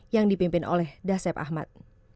yang dipimpin oleh dasep ahmad